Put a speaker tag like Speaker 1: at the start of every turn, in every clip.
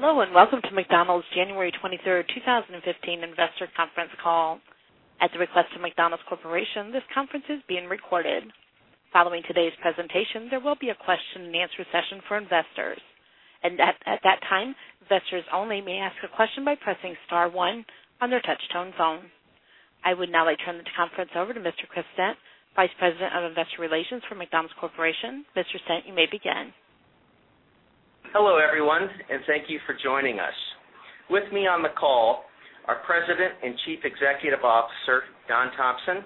Speaker 1: Hello, welcome to McDonald's January 23rd, 2015 investor conference call. At the request of McDonald's Corporation, this conference is being recorded. Following today's presentation, there will be a question and answer session for investors. At that time, investors only may ask a question by pressing star one on their touch-tone phone. I would now like to turn the conference over to Mr. Chris Stent, Vice President of Investor Relations for McDonald's Corporation. Mr. Stent, you may begin.
Speaker 2: Hello, everyone, thank you for joining us. With me on the call are President and Chief Executive Officer, Don Thompson,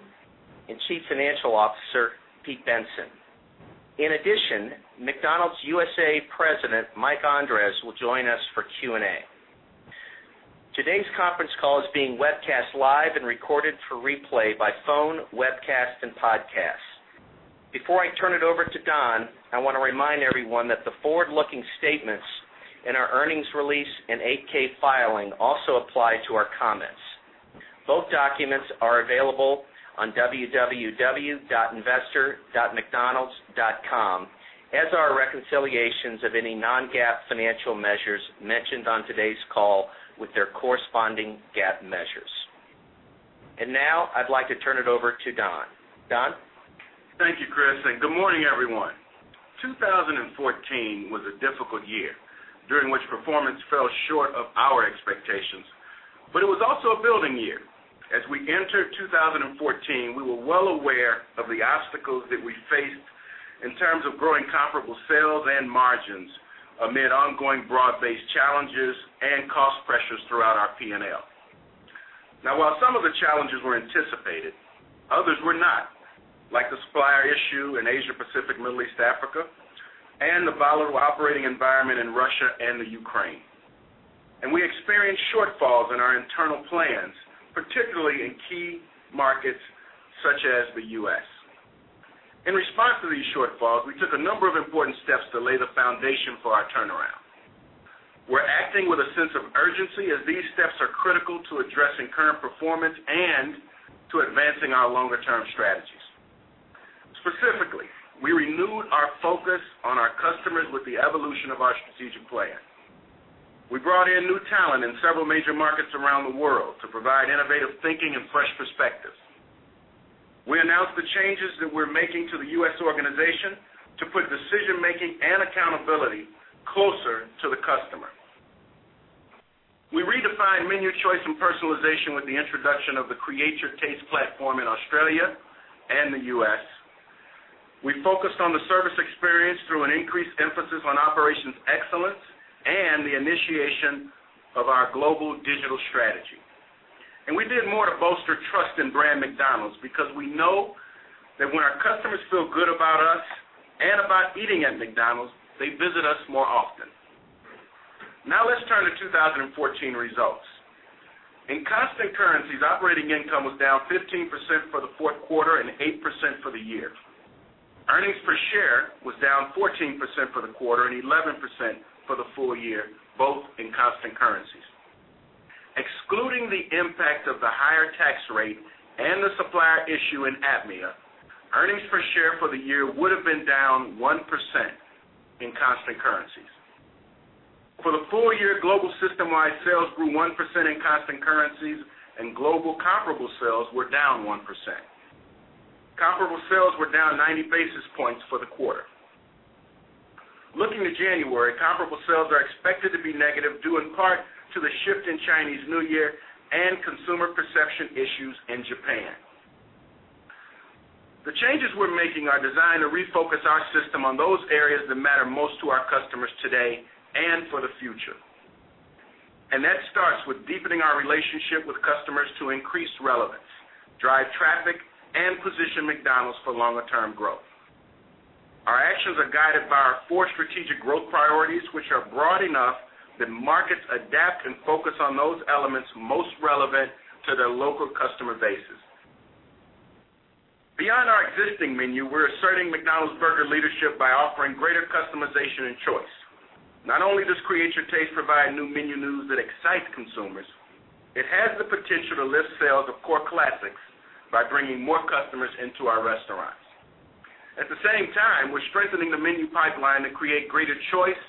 Speaker 2: and Chief Financial Officer, Pete Bensen. In addition, McDonald's USA President, Mike Andres, will join us for Q&A. Today's conference call is being webcast live and recorded for replay by phone, webcast, and podcast. Before I turn it over to Don, I want to remind everyone that the forward-looking statements in our earnings release and 8-K filing also apply to our comments. Both documents are available on www.investor.mcdonalds.com, as are reconciliations of any non-GAAP financial measures mentioned on today's call with their corresponding GAAP measures. Now I'd like to turn it over to Don. Don?
Speaker 3: Thank you, Chris, good morning, everyone. 2014 was a difficult year during which performance fell short of our expectations, but it was also a building year. As we entered 2014, we were well aware of the obstacles that we faced in terms of growing comparable sales and margins amid ongoing broad-based challenges and cost pressures throughout our P&L. Now while some of the challenges were anticipated, others were not, like the supplier issue in Asia, Pacific, Middle East, Africa, and the volatile operating environment in Russia and Ukraine. We experienced shortfalls in our internal plans, particularly in key markets such as the U.S. In response to these shortfalls, we took a number of important steps to lay the foundation for our turnaround. We're acting with a sense of urgency as these steps are critical to addressing current performance and to advancing our longer-term strategies. Specifically, we renewed our focus on our customers with the evolution of our strategic plan. We brought in new talent in several major markets around the world to provide innovative thinking and fresh perspectives. We announced the changes that we're making to the U.S. organization to put decision-making and accountability closer to the customer. We redefined menu choice and personalization with the introduction of the Create Your Taste platform in Australia and the U.S. We focused on the service experience through an increased emphasis on operations excellence and the initiation of our global digital strategy. We did more to bolster trust in brand McDonald's because we know that when our customers feel good about us and about eating at McDonald's, they visit us more often. Now let's turn to 2014 results. In constant currencies, operating income was down 15% for the fourth quarter and 8% for the year. Earnings per share was down 14% for the quarter and 11% for the full year, both in constant currencies. Excluding the impact of the higher tax rate and the supplier issue in APMEA, earnings per share for the year would've been down 1% in constant currencies. For the full year, global systemwide sales grew 1% in constant currencies, and global comparable sales were down 1%. Comparable sales were down 90 basis points for the quarter. Looking to January, comparable sales are expected to be negative, due in part to the shift in Chinese New Year and consumer perception issues in Japan. The changes we're making are designed to refocus our system on those areas that matter most to our customers today and for the future. That starts with deepening our relationship with customers to increase relevance, drive traffic, and position McDonald's for longer-term growth. Our actions are guided by our four strategic growth priorities, which are broad enough that markets adapt and focus on those elements most relevant to their local customer bases. Beyond our existing menu, we're asserting McDonald's burger leadership by offering greater customization and choice. Not only does Create Your Taste provide new menu news that excites consumers, it has the potential to lift sales of core classics by bringing more customers into our restaurants. At the same time, we're strengthening the menu pipeline to create greater choice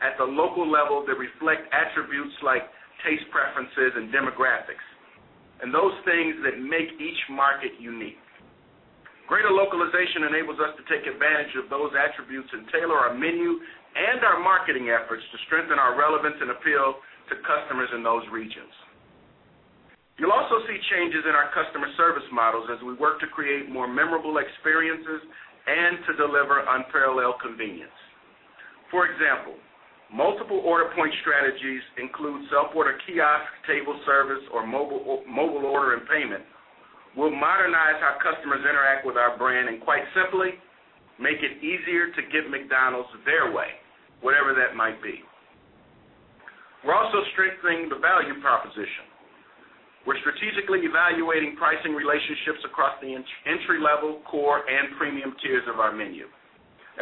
Speaker 3: at the local level that reflect attributes like taste preferences and demographics, and those things that make each market unique. Greater localization enables us to take advantage of those attributes and tailor our menu and our marketing efforts to strengthen our relevance and appeal to customers in those regions. You'll also see changes in our customer service models as we work to create more memorable experiences and to deliver unparalleled convenience. For example, multiple order point strategies include self-order kiosk, table service, or mobile order and payment will modernize how customers interact with our brand and quite simply make it easier to get McDonald's their way, whatever that might be. We're also strengthening the value proposition. We're strategically evaluating pricing relationships across the entry-level, core, and premium tiers of our menu.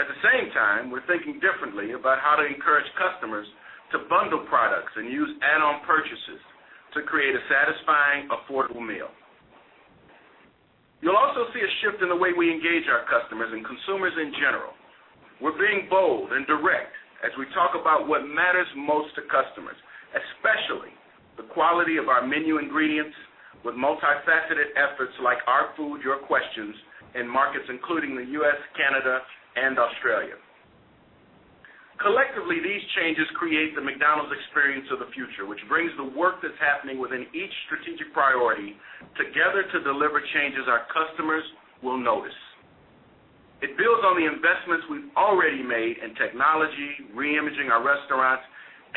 Speaker 3: At the same time, we're thinking differently about how to encourage customers to bundle products and use add-on purchases to create a satisfying, affordable meal. You'll see a shift in the way we engage our customers and consumers in general. We're being bold and direct as we talk about what matters most to customers, especially the quality of our menu ingredients with multifaceted efforts like Our Food. Your Questions. in markets including the U.S., Canada, and Australia. Collectively, these changes create the McDonald's Experience of the Future, which brings the work that's happening within each strategic priority together to deliver changes our customers will notice. It builds on the investments we've already made in technology, re-imaging our restaurants,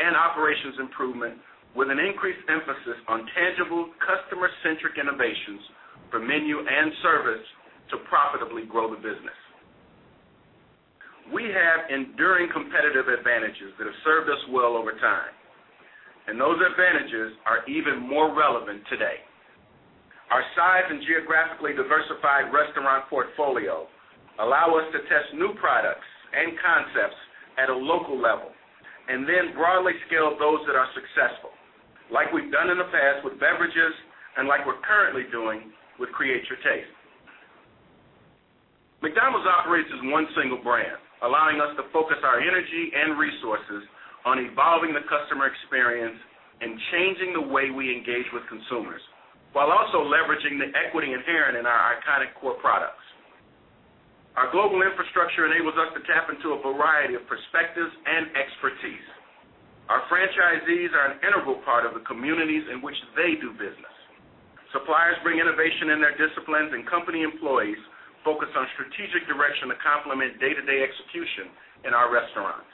Speaker 3: and operations improvement with an increased emphasis on tangible customer-centric innovations for menu and service to profitably grow the business. We have enduring competitive advantages that have served us well over time, and those advantages are even more relevant today. Our size and geographically diversified restaurant portfolio allow us to test new products and concepts at a local level, then broadly scale those that are successful. Like we've done in the past with beverages, and like we're currently doing with Create Your Taste. McDonald's operates as one single brand, allowing us to focus our energy and resources on evolving the customer experience and changing the way we engage with consumers, while also leveraging the equity inherent in our iconic core products. Our global infrastructure enables us to tap into a variety of perspectives and expertise. Our franchisees are an integral part of the communities in which they do business. Suppliers bring innovation in their disciplines, and company employees focus on strategic direction to complement day-to-day execution in our restaurants.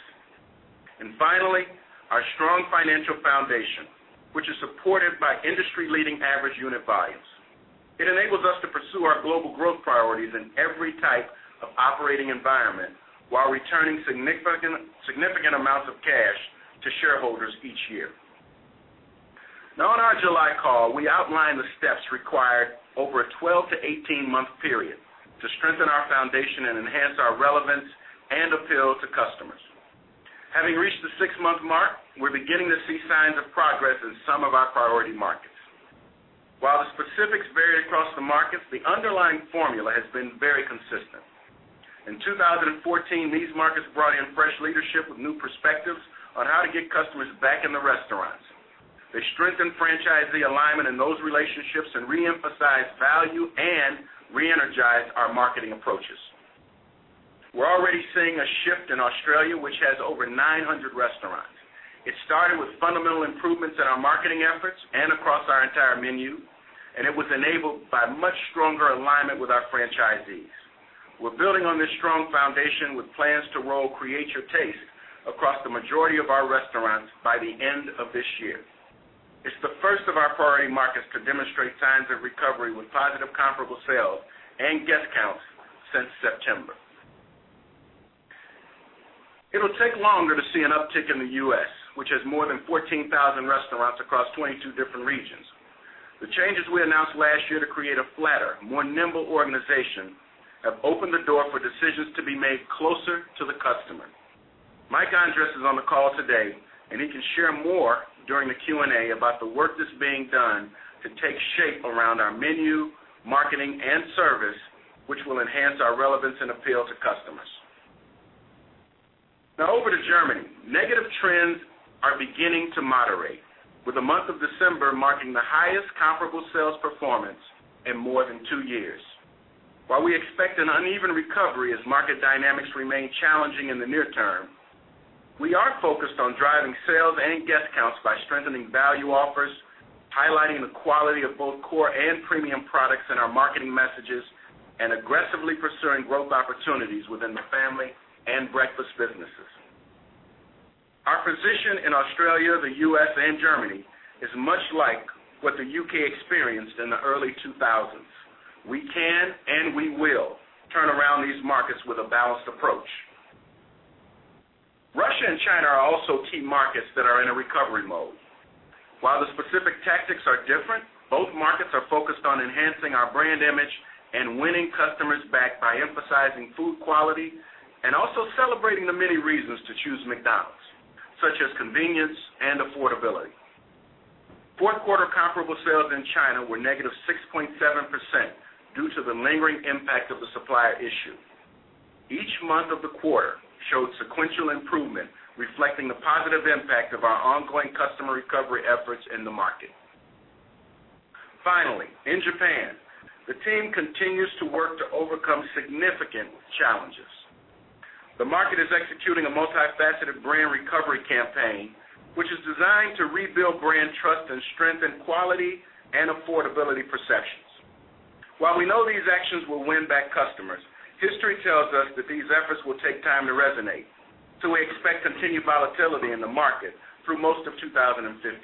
Speaker 3: Finally, our strong financial foundation, which is supported by industry-leading average unit volumes. It enables us to pursue our global growth priorities in every type of operating environment while returning significant amounts of cash to shareholders each year. Now, in our July call, we outlined the steps required over a 12-18 month period to strengthen our foundation and enhance our relevance and appeal to customers. Having reached the six-month mark, we're beginning to see signs of progress in some of our priority markets. While the specifics vary across the markets, the underlying formula has been very consistent. In 2014, these markets brought in fresh leadership with new perspectives on how to get customers back in the restaurants. They strengthened franchisee alignment in those relationships and re-emphasized value and re-energized our marketing approaches. We're already seeing a shift in Australia, which has over 900 restaurants. It started with fundamental improvements in our marketing efforts and across our entire menu. It was enabled by much stronger alignment with our franchisees. We're building on this strong foundation with plans to roll Create Your Taste across the majority of our restaurants by the end of this year. It's the first of our priority markets to demonstrate signs of recovery with positive comparable sales and guest counts since September. It'll take longer to see an uptick in the U.S., which has more than 14,000 restaurants across 22 different regions. The changes we announced last year to create a flatter, more nimble organization have opened the door for decisions to be made closer to the customer. Mike Andres is on the call today. He can share more during the Q&A about the work that's being done to take shape around our menu, marketing, and service, which will enhance our relevance and appeal to customers. Now over to Germany. Negative trends are beginning to moderate, with the month of December marking the highest comparable sales performance in more than two years. While we expect an uneven recovery as market dynamics remain challenging in the near term, we are focused on driving sales and guest counts by strengthening value offers, highlighting the quality of both core and premium products in our marketing messages, and aggressively pursuing growth opportunities within the family and breakfast businesses. Our position in Australia, the U.S., and Germany is much like what the U.K. experienced in the early 2000s. We can, and we will, turn around these markets with a balanced approach. Russia and China are also key markets that are in a recovery mode. While the specific tactics are different, both markets are focused on enhancing our brand image and winning customers back by emphasizing food quality and also celebrating the many reasons to choose McDonald's, such as convenience and affordability. Fourth quarter comparable sales in China were negative 6.7% due to the lingering impact of the supplier issue. Each month of the quarter showed sequential improvement, reflecting the positive impact of our ongoing customer recovery efforts in the market. Finally, in Japan, the team continues to work to overcome significant challenges. The market is executing a multifaceted brand recovery campaign, which is designed to rebuild brand trust and strengthen quality and affordability perceptions. While we know these actions will win back customers, history tells us that these efforts will take time to resonate. We expect continued volatility in the market through most of 2015. 2015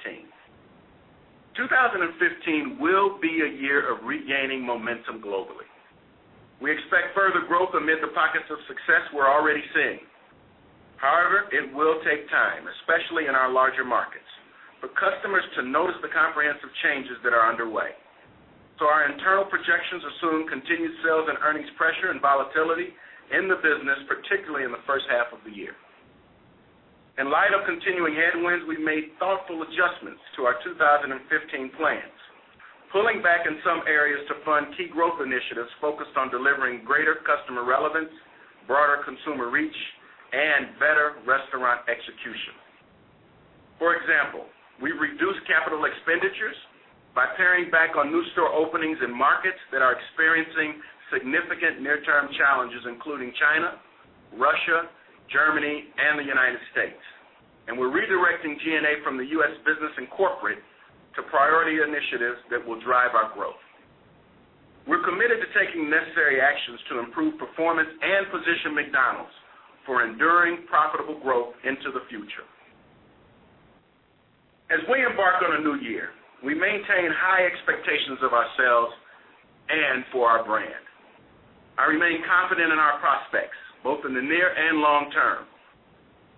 Speaker 3: will be a year of regaining momentum globally. We expect further growth amid the pockets of success we're already seeing. However, it will take time, especially in our larger markets, for customers to notice the comprehensive changes that are underway. Our internal projections assume continued sales and earnings pressure and volatility in the business, particularly in the first half of the year. In light of continuing headwinds, we've made thoughtful adjustments to our 2015 plans, pulling back in some areas to fund key growth initiatives focused on delivering greater customer relevance, broader consumer reach, and better restaurant execution. For example, we've reduced capital expenditures by paring back on new store openings in markets that are experiencing significant near-term challenges, including China, Russia, Germany, and the U.S. We're redirecting G&A from the U.S. business and corporate to priority initiatives that will drive our growth. We're committed to taking necessary actions to improve performance and position McDonald's for enduring profitable growth into the future. As we embark on a new year, we maintain high expectations of ourselves and for our brand. I remain confident in our prospects, both in the near and long term.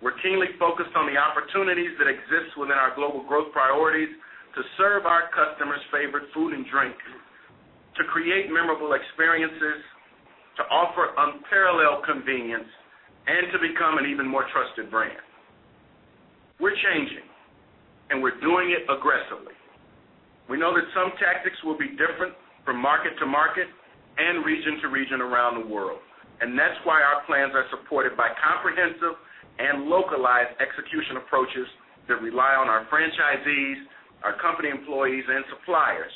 Speaker 3: We're keenly focused on the opportunities that exist within our global growth priorities to serve our customers' favorite food and drink, to create memorable experiences, to offer unparalleled convenience, and to become an even more trusted brand. We're changing, and we're doing it aggressively. We know that some tactics will be different from market to market and region to region around the world, and that's why our plans are supported by comprehensive and localized execution approaches that rely on our franchisees, our company employees, and suppliers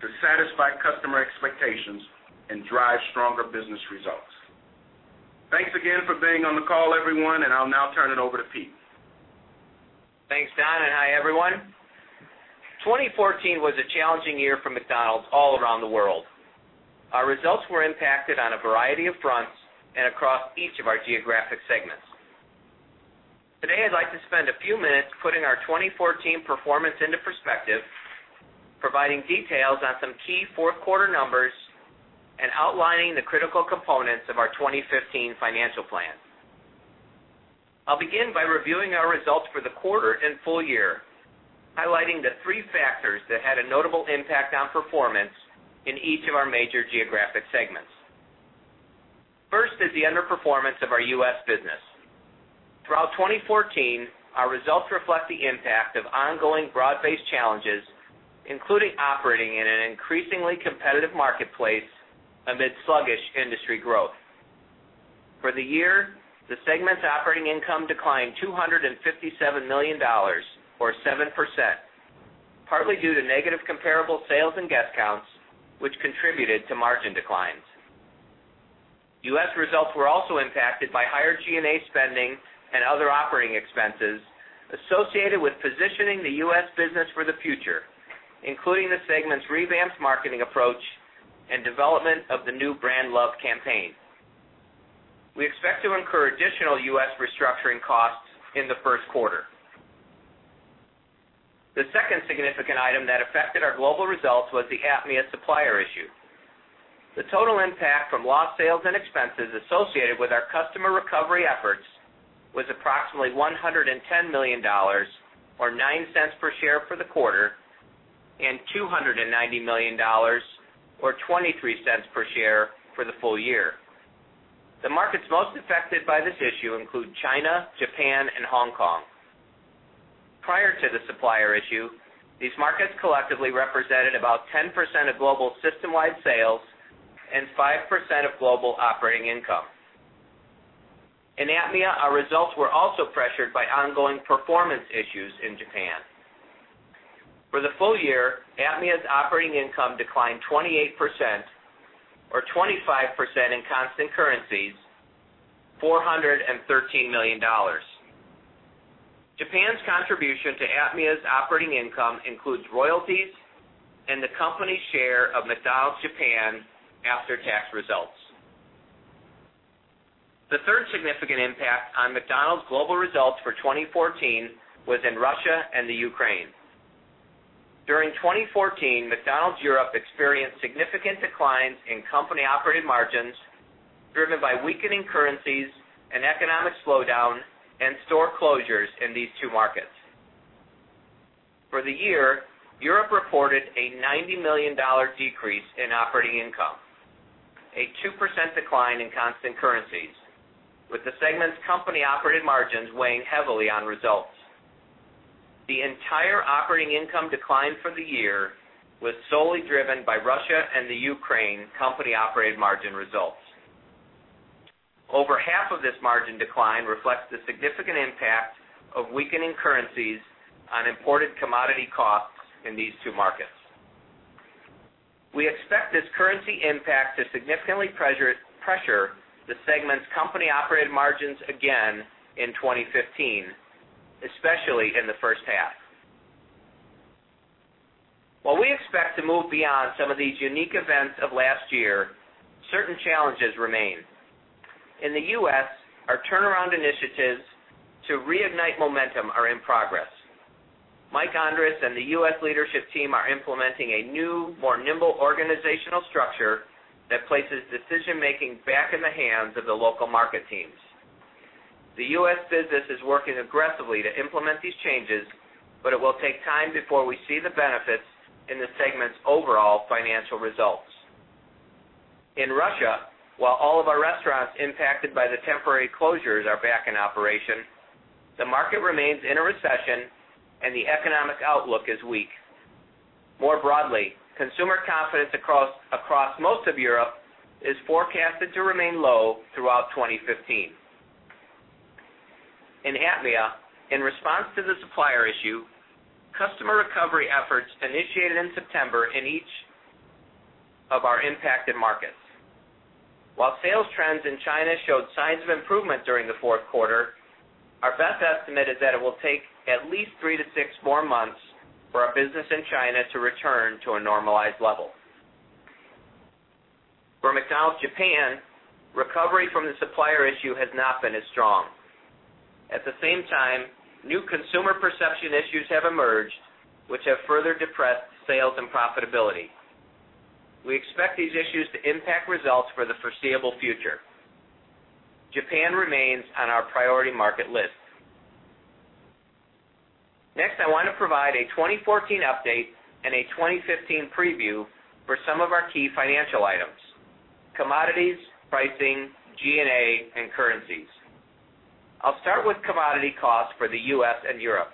Speaker 3: to satisfy customer expectations and drive stronger business results. Thanks again for being on the call, everyone, and I'll now turn it over to Pete.
Speaker 4: Thanks, Don, and hi, everyone. 2014 was a challenging year for McDonald's all around the world. Our results were impacted on a variety of fronts and across each of our geographic segments. Today, I'd like to spend a few minutes putting our 2014 performance into perspective, providing details on some key fourth quarter numbers, and outlining the critical components of our 2015 financial plan. I'll begin by reviewing our results for the quarter and full year, highlighting the three factors that had a notable impact on performance in each of our major geographic segments. First is the underperformance of our U.S. business. Throughout 2014, our results reflect the impact of ongoing broad-based challenges, including operating in an increasingly competitive marketplace amid sluggish industry growth. For the year, the segment's operating income declined $257 million, or 7%, partly due to negative comparable sales and guest counts, which contributed to margin declines. U.S. results were also impacted by higher G&A spending and other operating expenses associated with positioning the U.S. business for the future, including the segment's revamped marketing approach and development of the new Brand Love campaign. We expect to incur additional U.S. restructuring costs in the first quarter. The second significant item that affected our global results was the APMEA supplier issue. The total impact from lost sales and expenses associated with our customer recovery efforts was approximately $110 million, or $0.09 per share for the quarter, and $290 million, or $0.23 per share, for the full year. The markets most affected by this issue include China, Japan, and Hong Kong. Prior to the supplier issue, these markets collectively represented about 10% of global systemwide sales and 5% of global operating income. In APMEA, our results were also pressured by ongoing performance issues in Japan. For the full year, APMEA's operating income declined 28%, or 25% in constant currencies, $413 million. Japan's contribution to APMEA's operating income includes royalties and the company's share of McDonald's Japan after-tax results. The third significant impact on McDonald's global results for 2014 was in Russia and Ukraine. During 2014, McDonald's Europe experienced significant declines in company-operated margins, driven by weakening currencies and economic slowdown and store closures in these two markets. For the year, Europe reported a $90 million decrease in operating income, a 2% decline in constant currencies, with the segment's company-operated margins weighing heavily on results. The entire operating income decline for the year was solely driven by Russia and Ukraine company-operated margin results. Over half of this margin decline reflects the significant impact of weakening currencies on imported commodity costs in these two markets. We expect this currency impact to significantly pressure the segment's company-operated margins again in 2015, especially in the first half. While we expect to move beyond some of these unique events of last year, certain challenges remain. In the U.S., our turnaround initiatives to reignite momentum are in progress. Mike Andres and the U.S. leadership team are implementing a new, more nimble organizational structure that places decision-making back in the hands of the local market teams. The U.S. business is working aggressively to implement these changes, but it will take time before we see the benefits in the segment's overall financial results. In Russia, while all of our restaurants impacted by the temporary closures are back in operation, the market remains in a recession and the economic outlook is weak. More broadly, consumer confidence across most of Europe is forecasted to remain low throughout 2015. In APMEA, in response to the supplier issue, customer recovery efforts initiated in September in each of our impacted markets. While sales trends in China showed signs of improvement during the fourth quarter, our best estimate is that it will take at least three to six more months for our business in China to return to a normalized level. For McDonald's Japan, recovery from the supplier issue has not been as strong. At the same time, new consumer perception issues have emerged, which have further depressed sales and profitability. We expect these issues to impact results for the foreseeable future. Japan remains on our priority market list. Next, I want to provide a 2014 update and a 2015 preview for some of our key financial items: commodities, pricing, G&A, and currencies. I'll start with commodity costs for the U.S. and Europe.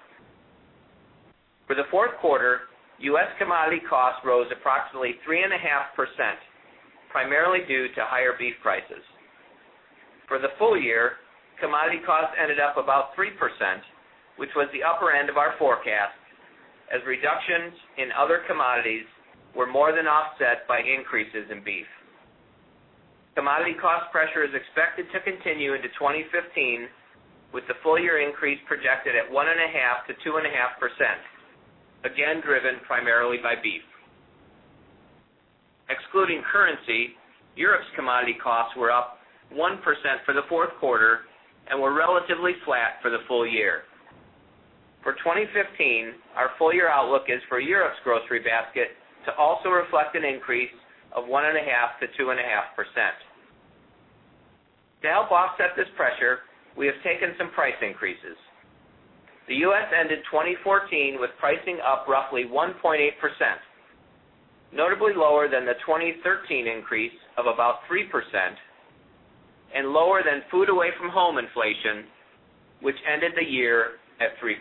Speaker 4: For the fourth quarter, U.S. commodity costs rose approximately 3.5%, primarily due to higher beef prices. For the full year, commodity costs ended up about 3%, which was the upper end of our forecast, as reductions in other commodities were more than offset by increases in beef. Commodity cost pressure is expected to continue into 2015, with the full-year increase projected at 1.5%-2.5%, again driven primarily by beef. Excluding currency, Europe's commodity costs were up 1% for the fourth quarter and were relatively flat for the full year. For 2015, our full-year outlook is for Europe's grocery basket to also reflect an increase of 1.5%-2.5%. To help offset this pressure, we have taken some price increases. The U.S. ended 2014 with pricing up roughly 1.8%, notably lower than the 2013 increase of about 3% and lower than food away from home inflation, which ended the year at 3%.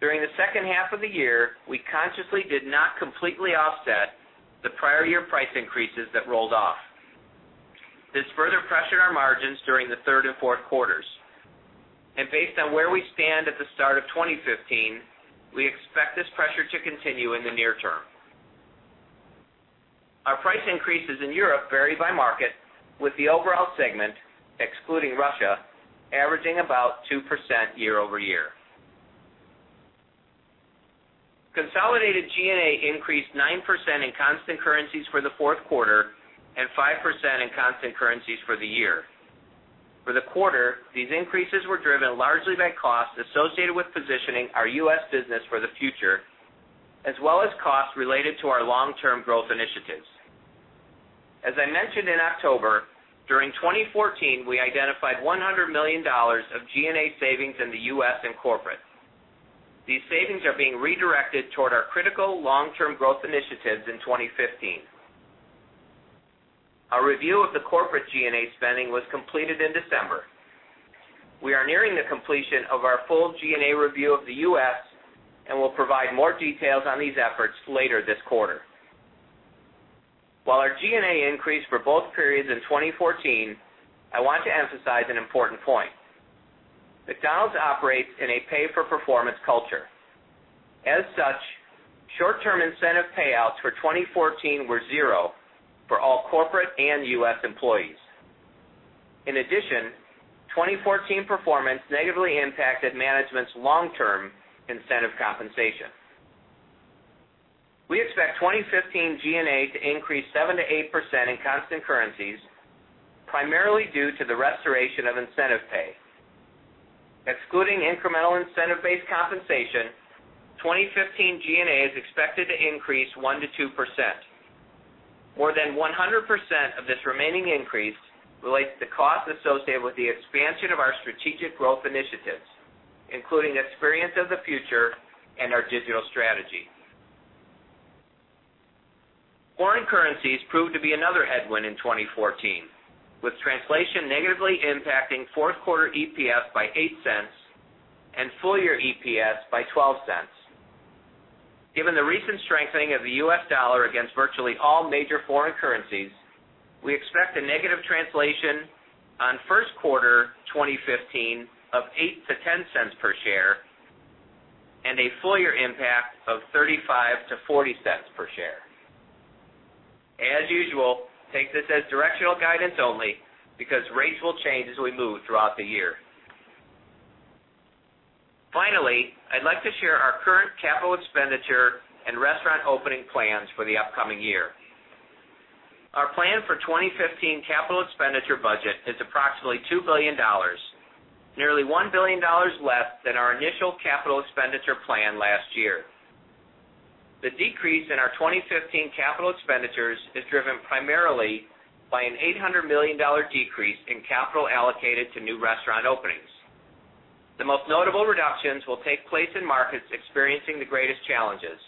Speaker 4: During the second half of the year, we consciously did not completely offset the prior year price increases that rolled off. This further pressured our margins during the third and fourth quarters. Based on where we stand at the start of 2015, we expect this pressure to continue in the near term. Our price increases in Europe vary by market, with the overall segment, excluding Russia, averaging about 2% year-over-year. Consolidated G&A increased 9% in constant currencies for the fourth quarter and 5% in constant currencies for the year. For the quarter, these increases were driven largely by costs associated with positioning our U.S. business for the future, as well as costs related to our long-term growth initiatives. As I mentioned in October, during 2014, we identified $100 million of G&A savings in the U.S. and corporate. These savings are being redirected toward our critical long-term growth initiatives in 2015. Our review of the corporate G&A spending was completed in December. We are nearing the completion of our full G&A review of the U.S., and we'll provide more details on these efforts later this quarter. While our G&A increased for both periods in 2014, I want to emphasize an important point. McDonald's operates in a pay-for-performance culture. As such, short-term incentive payouts for 2014 were zero for all corporate and U.S. employees. In addition, 2014 performance negatively impacted management's long-term incentive compensation. We expect 2015 G&A to increase 7%-8% in constant currencies, primarily due to the restoration of incentive pay. Excluding incremental incentive-based compensation, 2015 G&A is expected to increase 1%-2%. More than 100% of this remaining increase relates to costs associated with the expansion of our strategic growth initiatives, including Experience of the Future and our digital strategy. Foreign currencies proved to be another headwind in 2014, with translation negatively impacting fourth quarter EPS by $0.08 and full-year EPS by $0.12. Given the recent strengthening of the U.S. dollar against virtually all major foreign currencies, we expect a negative translation on first quarter 2015 of $0.08-$0.10 per share and a full-year impact of $0.35-$0.40 per share. As usual, take this as directional guidance only, because rates will change as we move throughout the year. Finally, I'd like to share our current capital expenditure and restaurant opening plans for the upcoming year. Our plan for 2015 capital expenditure budget is approximately $2 billion, nearly $1 billion less than our initial capital expenditure plan last year. The decrease in our 2015 capital expenditures is driven primarily by an $800 million decrease in capital allocated to new restaurant openings. The most notable reductions will take place in markets experiencing the greatest challenges: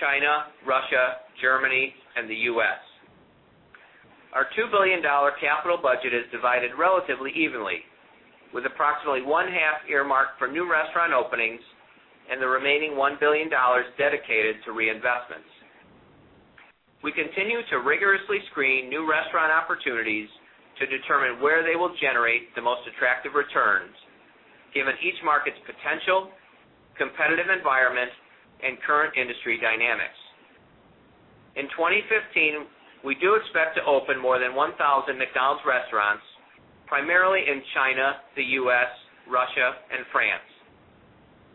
Speaker 4: China, Russia, Germany, and the U.S. Our $2 billion capital budget is divided relatively evenly, with approximately one-half earmarked for new restaurant openings and the remaining $1 billion dedicated to reinvestments. We continue to rigorously screen new restaurant opportunities to determine where they will generate the most attractive returns, given each market's potential, competitive environment, and current industry dynamics. In 2015, we do expect to open more than 1,000 McDonald's restaurants, primarily in China, the U.S., Russia, and France.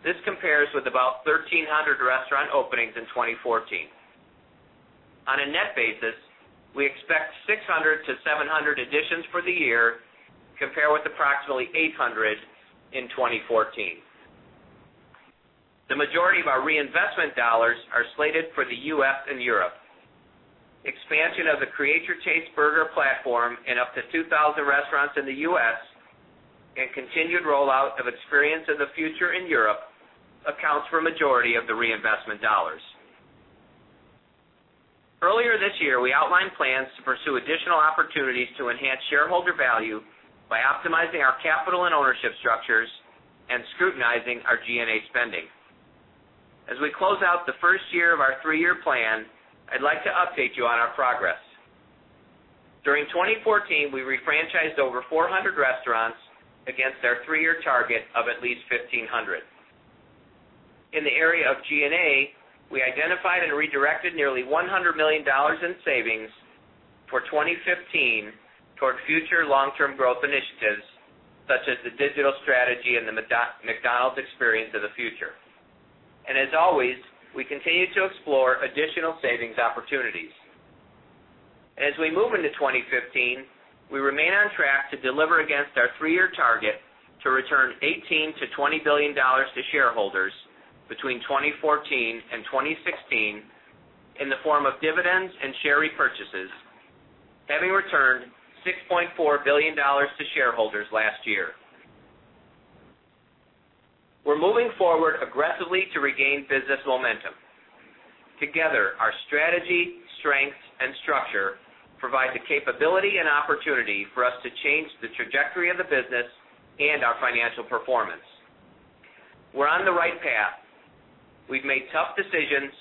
Speaker 4: This compares with about 1,300 restaurant openings in 2014. On a net basis, we expect 600-700 additions for the year, compared with approximately 800 in 2014. The majority of our reinvestment dollars are slated for the U.S. and Europe. Expansion of the Create Your Taste burger platform in up to 2,000 restaurants in the U.S. and continued rollout of Experience of the Future in Europe accounts for a majority of the reinvestment dollars. Earlier this year, we outlined plans to pursue additional opportunities to enhance shareholder value by optimizing our capital and ownership structures and scrutinizing our G&A spending. As we close out the first year of our three-year plan, I'd like to update you on our progress. During 2014, we refranchised over 400 restaurants against our three-year target of at least 1,500. In the area of G&A, we identified and redirected nearly $100 million in savings for 2015 toward future long-term growth initiatives such as the digital strategy and the McDonald's Experience of the Future. As always, we continue to explore additional savings opportunities. As we move into 2015, we remain on track to deliver against our three-year target to return $18 billion-$20 billion to shareholders between 2014 and 2016 in the form of dividends and share repurchases, having returned $6.4 billion to shareholders last year. We're moving forward aggressively to regain business momentum. Together, our strategy, strengths, and structure provide the capability and opportunity for us to change the trajectory of the business and our financial performance. We're on the right path. We've made tough decisions,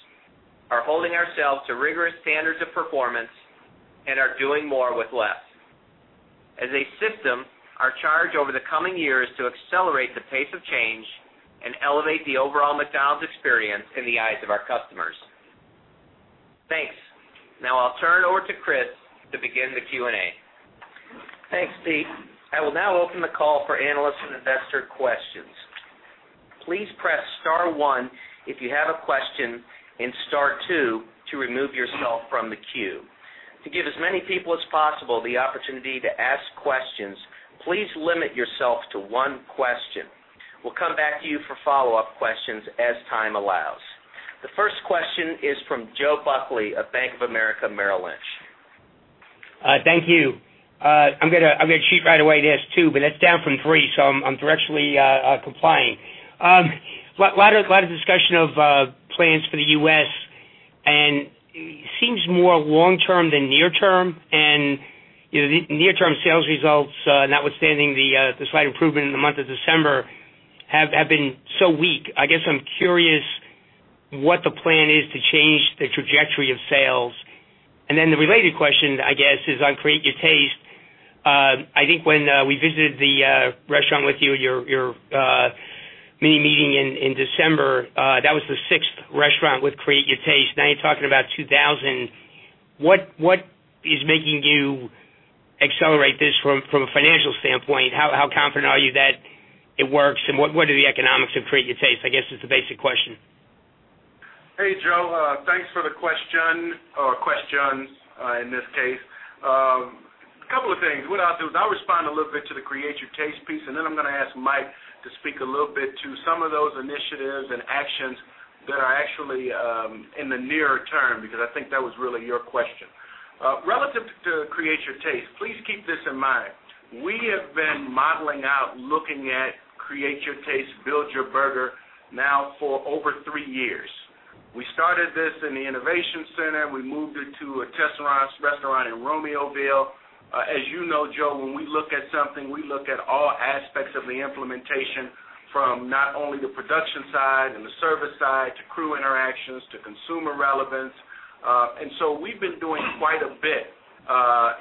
Speaker 4: are holding ourselves to rigorous standards of performance, and are doing more with less. As a system, our charge over the coming year is to accelerate the pace of change and elevate the overall McDonald's experience in the eyes of our customers. Thanks. I'll turn it over to Chris to begin the Q&A.
Speaker 2: Thanks, Pete. I will now open the call for analyst and investor questions. Please press *1 if you have a question and *2 to remove yourself from the queue. To give as many people as possible the opportunity to ask questions, please limit yourself to one question. We'll come back to you for follow-up questions as time allows. The first question is from Joe Buckley of Bank of America Merrill Lynch.
Speaker 5: Thank you. I'm going to cheat right away and ask two, but that's down from three, so I'm directionally complying. A lot of discussion of plans for the U.S., and it seems more long term than near term. Near-term sales results, notwithstanding the slight improvement in the month of December, have been so weak. I guess I'm curious what the plan is to change the trajectory of sales. The related question, I guess, is on Create Your Taste. I think when we visited the restaurant with you, your mini meeting in December, that was the sixth restaurant with Create Your Taste. Now you're talking about 2,000. What is making you accelerate this from a financial standpoint? How confident are you that it works, and what are the economics of Create Your Taste, I guess, is the basic question.
Speaker 3: Hey, Joe. Thanks for the question, or questions, in this case. A couple of things. What I'll do is I'll respond a little bit to the Create Your Taste piece. I'm going to ask Mike to speak a little bit to some of those initiatives and actions that are actually in the near term, because I think that was really your question. Relative to Create Your Taste, please keep this in mind. We have been modeling out, looking at Create Your Taste, Build Your Burger, now for over three years. We started this in the Innovation Center. We moved it to a test restaurant in Romeoville. As you know, Joe, when we look at something, we look at all aspects of the implementation from not only the production side and the service side to crew interactions to consumer relevance. We've been doing quite a bit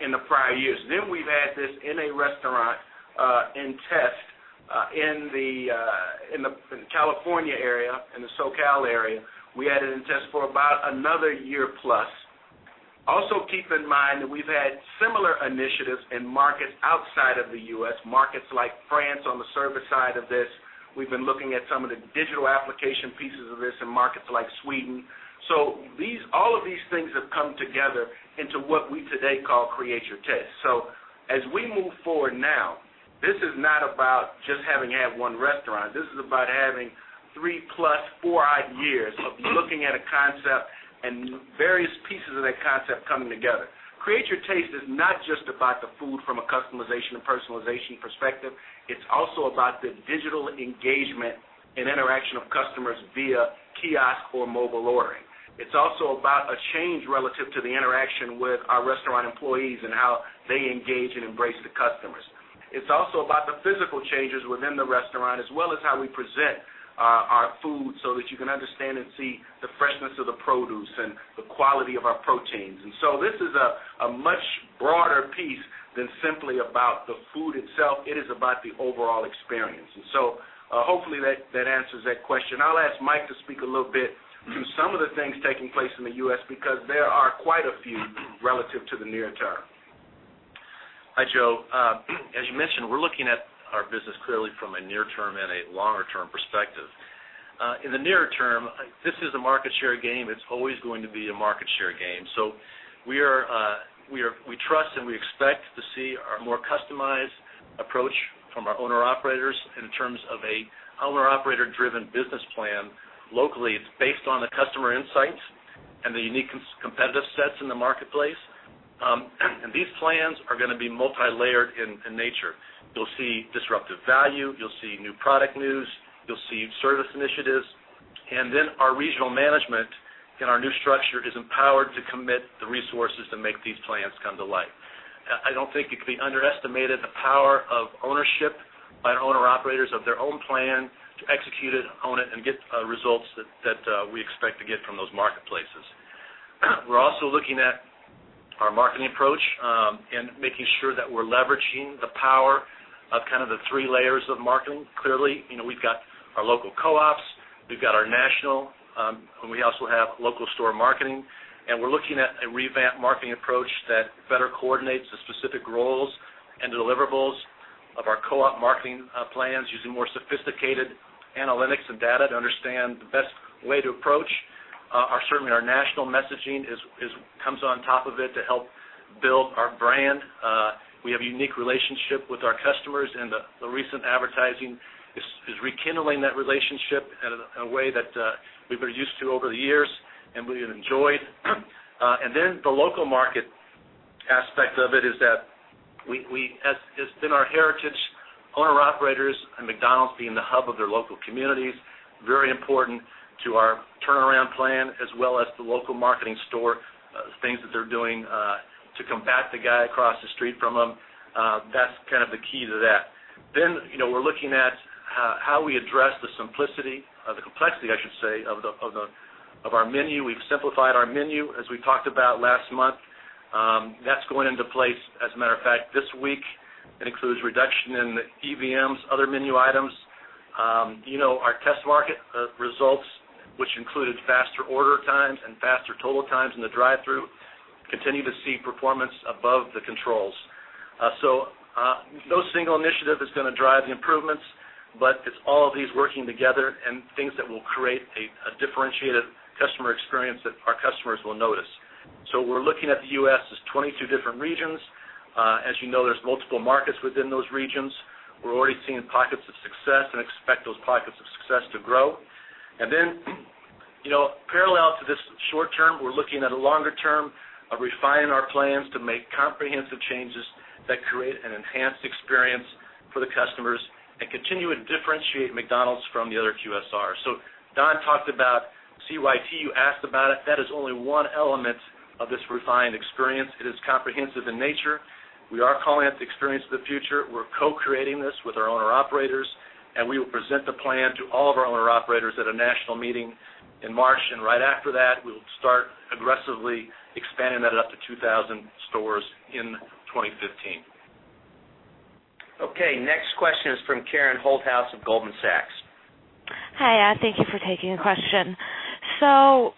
Speaker 3: in the prior years. We've had this in a restaurant in test in the California area, in the SoCal area. We had it in test for about another year plus. Also, keep in mind that we've had similar initiatives in markets outside of the U.S., markets like France on the service side of this. We've been looking at some of the digital application pieces of this in markets like Sweden. All of these things have come together into what we today call Create Your Taste. As we move forward now, this is not about just having had one restaurant. This is about having Three-plus, four-odd years of looking at a concept and various pieces of that concept coming together. Create Your Taste is not just about the food from a customization and personalization perspective. It's also about the digital engagement and interaction of customers via kiosk or mobile ordering. It's also about a change relative to the interaction with our restaurant employees and how they engage and embrace the customers. It's also about the physical changes within the restaurant, as well as how we present our food so that you can understand and see the freshness of the produce and the quality of our proteins. This is a much broader piece than simply about the food itself. It is about the overall experience. Hopefully, that answers that question. I'll ask Mike to speak a little bit to some of the things taking place in the U.S., because there are quite a few relative to the near term.
Speaker 6: Hi, Joe. As you mentioned, we're looking at our business clearly from a near-term and a longer-term perspective. In the nearer term, this is a market share game. It's always going to be a market share game. We trust and we expect to see a more customized approach from our owner-operators in terms of an owner-operator driven business plan locally. It's based on the customer insights and the unique competitive sets in the marketplace. These plans are going to be multilayered in nature. You'll see disruptive value, you'll see new product news, you'll see service initiatives. Then our regional management in our new structure is empowered to commit the resources to make these plans come to life. I don't think it could be underestimated the power of ownership by owner-operators of their own plan to execute it, own it, and get results that we expect to get from those marketplaces. We're also looking at our marketing approach, making sure that we're leveraging the power of kind of the three layers of marketing. Clearly, we've got our local co-ops, we've got our national, and we also have local store marketing. We're looking at a revamped marketing approach that better coordinates the specific roles and deliverables of our co-op marketing plans using more sophisticated analytics and data to understand the best way to approach. Certainly, our national messaging comes on top of it to help build our brand. We have a unique relationship with our customers, the recent advertising is rekindling that relationship in a way that we've been used to over the years and we have enjoyed. The local market aspect of it is that it's been our heritage, owner-operators and McDonald's being the hub of their local communities, very important to our turnaround plan as well as the local marketing store, things that they're doing to combat the guy across the street from them. That's kind of the key to that. We're looking at how we address the simplicity, the complexity, I should say, of our menu. We've simplified our menu, as we talked about last month. That's going into place, as a matter of fact, this week. It includes reduction in LTOs, other menu items. Our test market results, which included faster order times and faster total times in the drive-thru, continue to see performance above the controls. No single initiative is going to drive the improvements, but it's all of these working together and things that will create a differentiated customer experience that our customers will notice. We're looking at the U.S. as 22 different regions. As you know, there's multiple markets within those regions. We're already seeing pockets of success and expect those pockets of success to grow. Parallel to this short term, we're looking at a longer term of refining our plans to make comprehensive changes that create an enhanced experience for the customers and continue to differentiate McDonald's from the other QSRs. Don talked about CYT, you asked about it. That is only one element of this refined experience. It is comprehensive in nature. We are calling it the Experience of the Future. We're co-creating this with our owner-operators, we will present the plan to all of our owner-operators at a national meeting in March. Right after that, we will start aggressively expanding that up to 2,000 stores in 2015.
Speaker 2: Okay, next question is from Karen Holthouse of Goldman Sachs.
Speaker 7: Hi, thank you for taking a question.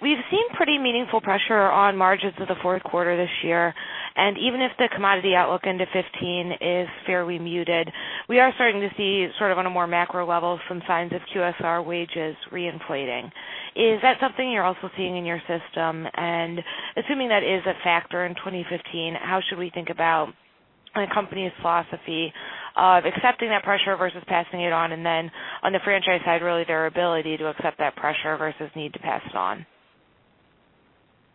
Speaker 7: We've seen pretty meaningful pressure on margins of the fourth quarter this year, even if the commodity outlook into 2015 is fairly muted, we are starting to see, sort of on a more macro level, some signs of QSR wages re-inflating. Is that something you're also seeing in your system? Assuming that is a factor in 2015, how should we think about a company's philosophy of accepting that pressure versus passing it on? On the franchise side, really their ability to accept that pressure versus need to pass it on.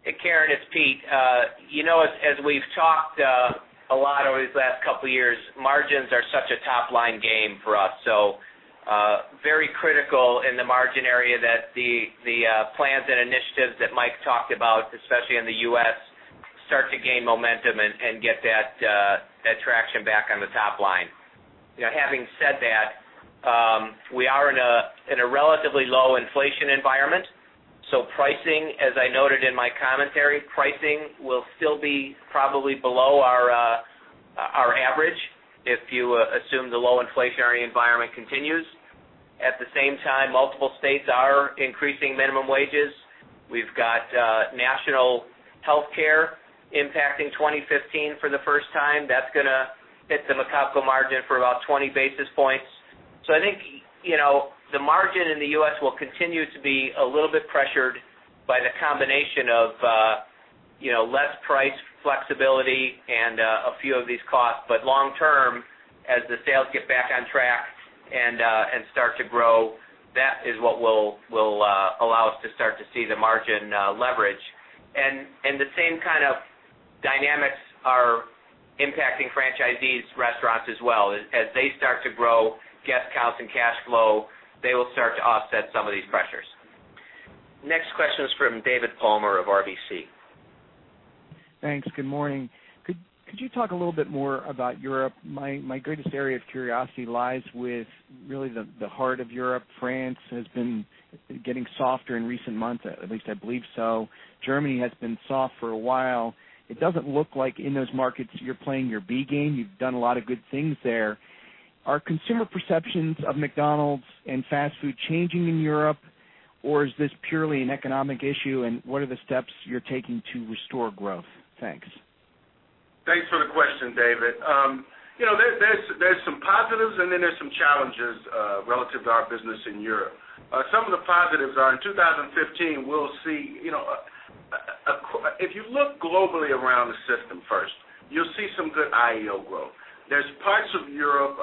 Speaker 4: Hey, Karen, it's Pete. As we've talked a lot over these last couple of years, margins are such a top-line game for us, very critical in the margin area that the plans and initiatives that Mike talked about, especially in the U.S., start to gain momentum and get that traction back on the top line. Having said that, we are in a relatively low inflation environment, pricing, as I noted in my commentary, pricing will still be probably below our average if you assume the low inflationary environment continues. At the same time, multiple states are increasing minimum wages. We've got national healthcare impacting 2015 for the first time. That's going to hit the McOpCo margin for about 20 basis points. I think the margin in the U.S. will continue to be a little bit pressured by the combination of less price flexibility and a few of these costs. Long term, as the sales get back on track and start to grow, that is what will allow us to start to see the margin leverage. The same kind of dynamics are impacting franchisees' restaurants as well. As they start to grow guest counts and cash flow, they will start to offset some of these pressures.
Speaker 2: Next question is from David Palmer of RBC.
Speaker 8: Thanks. Good morning. Could you talk a little bit more about Europe? My greatest area of curiosity lies with really the heart of Europe. France has been getting softer in recent months, at least I believe so. Germany has been soft for a while. It doesn't look like in those markets you're playing your B game. You've done a lot of good things there. Are consumer perceptions of McDonald's and fast food changing in Europe, or is this purely an economic issue? What are the steps you're taking to restore growth? Thanks.
Speaker 3: Thanks for the question, David. There's some positives, and then there's some challenges relative to our business in Europe. Some of the positives are in 2015, if you look globally around the system first, you'll see some good IEO growth. There's parts of Europe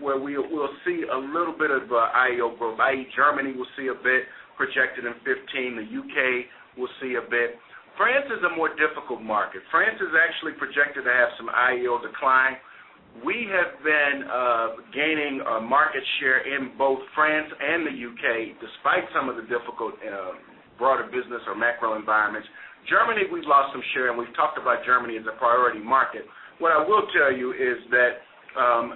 Speaker 3: where we'll see a little bit of IEO growth, i.e., Germany will see a bit projected in 2015. The U.K. will see a bit. France is a more difficult market. France is actually projected to have some IEO decline. We have been gaining market share in both France and the U.K., despite some of the difficult broader business or macro environments. Germany, we've lost some share, and we've talked about Germany as a priority market. What I will tell you is that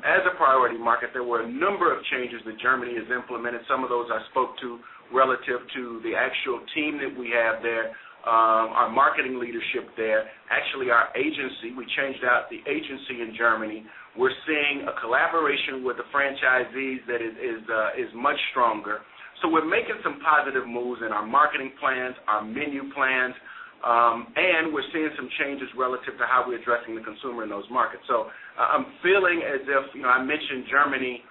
Speaker 3: as a priority market, there were a number of changes that Germany has implemented. Some of those I spoke to relative to the actual team that we have there, our marketing leadership there. Actually, our agency, we changed out the agency in Germany. We're seeing a collaboration with the franchisees that is much stronger. We're making some positive moves in our marketing plans, our menu plans, and we're seeing some changes relative to how we're addressing the consumer in those markets. I'm feeling as if, I mentioned Germany,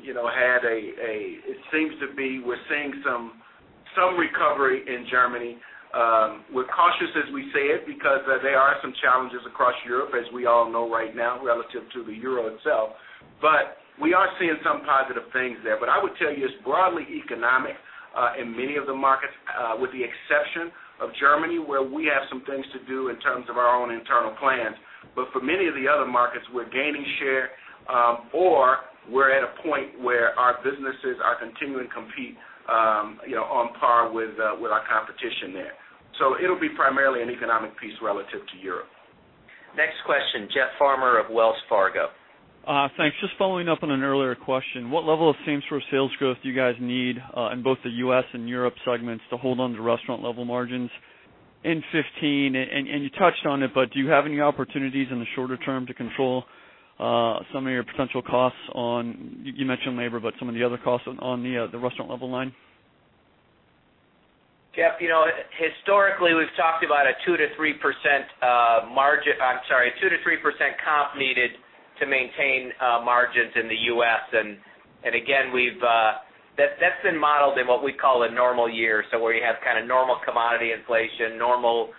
Speaker 3: it seems to be we're seeing some recovery in Germany. We're cautious as we say it because there are some challenges across Europe, as we all know right now, relative to the euro itself. We are seeing some positive things there. I would tell you it's broadly economic in many of the markets with the exception of Germany, where we have some things to do in terms of our own internal plans. For many of the other markets, we're gaining share, or we're at a point where our businesses are continuing to compete on par with our competition there. It'll be primarily an economic piece relative to Europe.
Speaker 2: Next question, Jeff Farmer of Wells Fargo.
Speaker 9: Thanks. Just following up on an earlier question, what level of same-store sales growth do you guys need in both the U.S. and Europe segments to hold on to restaurant level margins in 2015? You touched on it, but do you have any opportunities in the shorter term to control some of your potential costs on, you mentioned labor, but some of the other costs on the restaurant level line?
Speaker 4: Jeff, historically, we've talked about a 2%-3% comp needed to maintain margins in the U.S., and again, that's been modeled in what we call a normal year. Where you have kind of normal commodity inflation, normal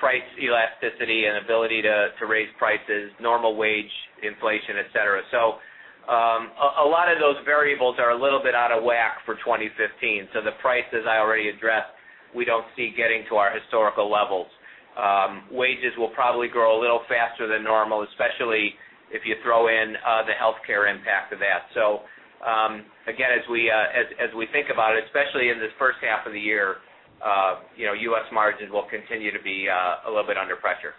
Speaker 4: price elasticity and ability to raise prices, normal wage inflation, et cetera. A lot of those variables are a little bit out of whack for 2015. The prices I already addressed, we don't see getting to our historical levels. Wages will probably grow a little faster than normal, especially if you throw in the healthcare impact of that. Again, as we think about it, especially in this first half of the year, U.S. margins will continue to be a little bit under pressure.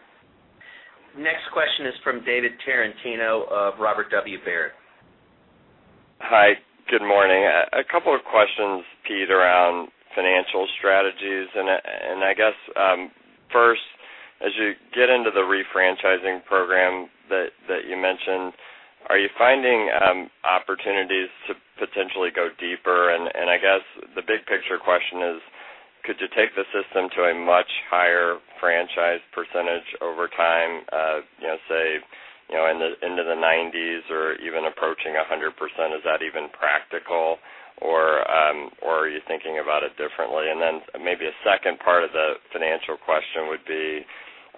Speaker 2: Next question is from David Tarantino of Robert W. Baird.
Speaker 10: Hi, good morning. A couple of questions, Pete, around financial strategies. I guess first, as you get into the refranchising program that you mentioned, are you finding opportunities to potentially go deeper? I guess the big picture question is: could you take the system to a much higher franchise percentage over time? Say, into the 90s or even approaching 100%? Is that even practical or are you thinking about it differently? Then maybe a second part of the financial question would be,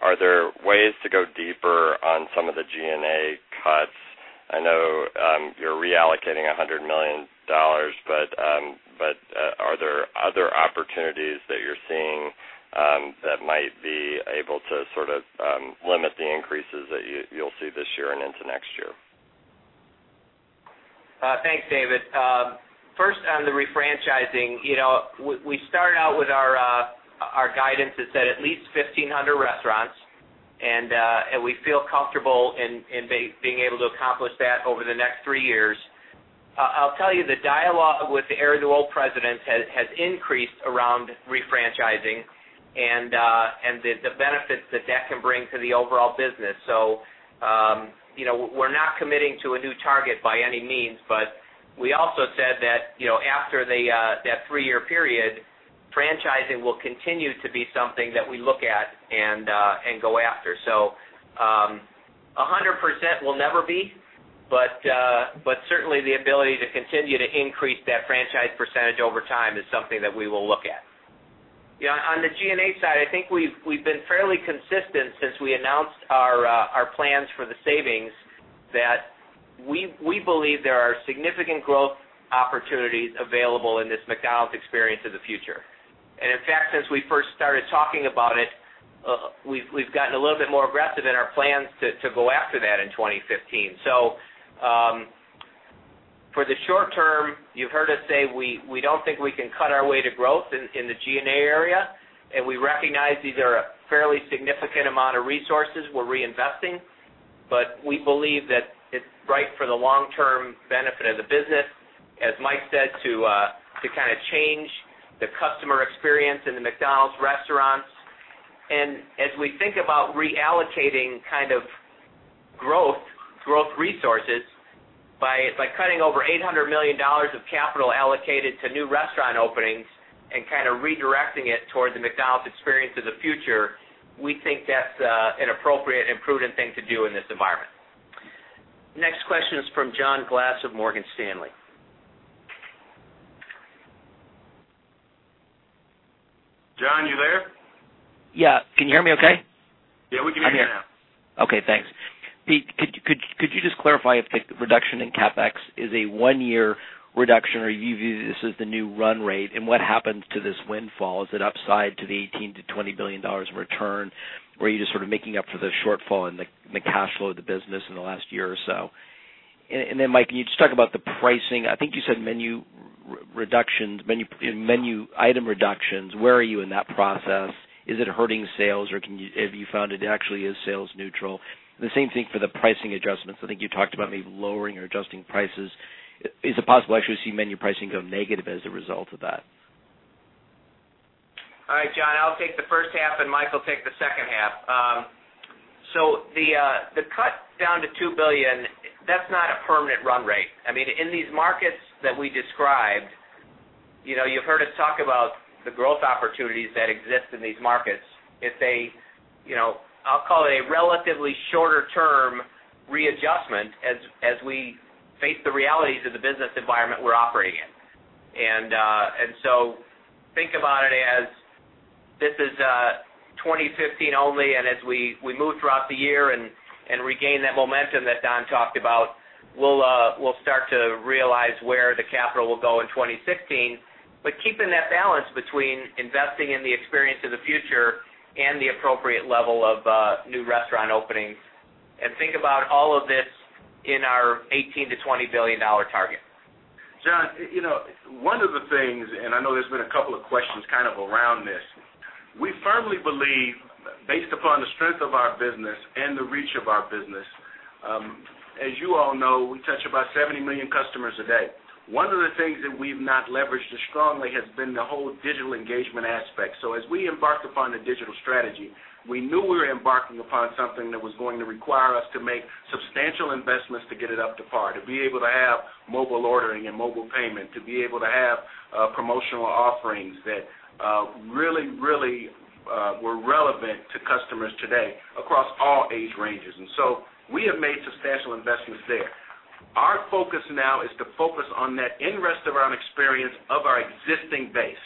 Speaker 10: are there ways to go deeper on some of the G&A cuts? I know you're reallocating $100 million, but are there other opportunities that you're seeing that might be able to sort of limit the increases that you'll see this year and into next year?
Speaker 4: Thanks, David. First on the refranchising. We start out with our guidance that said at least 1,500 restaurants, we feel comfortable in being able to accomplish that over the next three years. I'll tell you, the dialogue with the area development presidents has increased around refranchising and the benefits that can bring to the overall business. We're not committing to a new target by any means, but we also said that after that three-year period, franchising will continue to be something that we look at and go after. Percent we'll never be, but certainly the ability to continue to increase that franchise percentage over time is something that we will look at. On the G&A side, I think we've been fairly consistent since we announced our plans for the savings, that we believe there are significant growth opportunities available in this McDonald's Experience of the Future. In fact, since we first started talking about it, we've gotten a little bit more aggressive in our plans to go after that in 2015. For the short term, you've heard us say we don't think we can cut our way to growth in the G&A area. We recognize these are a fairly significant amount of resources we're reinvesting, but we believe that it's right for the long-term benefit of the business, as Mike said, to change the customer experience in the McDonald's restaurants. As we think about reallocating growth resources by cutting over $800 million of capital allocated to new restaurant openings and redirecting it towards the McDonald's Experience of the Future, we think that's an appropriate and prudent thing to do in this environment.
Speaker 2: Next question is from John Glass of Morgan Stanley.
Speaker 4: John, you there?
Speaker 11: Yeah. Can you hear me okay?
Speaker 4: Yeah, we can hear you now.
Speaker 11: I'm here. Okay, thanks. Pete, could you just clarify if the reduction in CapEx is a one-year reduction, or you view this as the new run rate, and what happens to this windfall? Is it upside to the $18 billion-$20 billion return, or are you just sort of making up for the shortfall in the cash flow of the business in the last year or so? Mike Andres, can you just talk about the pricing? I think you said menu item reductions. Where are you in that process? Is it hurting sales, or have you found it actually is sales neutral? The same thing for the pricing adjustments. I think you talked about maybe lowering or adjusting prices. Is it possible to actually see menu pricing go negative as a result of that?
Speaker 4: All right, John, I'll take the first half, and Mike Andres will take the second half. The cut down to $2 billion, that's not a permanent run rate. In these markets that we described, you've heard us talk about the growth opportunities that exist in these markets. I'll call it a relatively shorter-term readjustment as we face the realities of the business environment we're operating in. Think about it as this is 2015 only, and as we move throughout the year and regain that momentum that Don Thompson talked about, we'll start to realize where the capital will go in 2016. Keeping that balance between investing in the Experience of the Future and the appropriate level of new restaurant openings, and think about all of this in our $18 billion-$20 billion target.
Speaker 3: John, one of the things, and I know there's been a couple of questions kind of around this, we firmly believe based upon the strength of our business and the reach of our business, as you all know, we touch about 70 million customers a day. One of the things that we've not leveraged as strongly has been the whole digital engagement aspect. As we embarked upon the digital strategy, we knew we were embarking upon something that was going to require us to make substantial investments to get it up to par, to be able to have mobile ordering and mobile payment, to be able to have promotional offerings that really were relevant to customers today across all age ranges. We have made substantial investments there. Our focus now is to focus on that in-restaurant experience of our existing base.